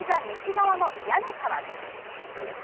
西側の屋根から。